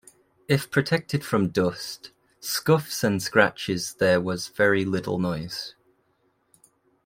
If protected from dust, scuffs and scratches there was very little noise.